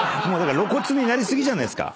露骨になり過ぎじゃないですか。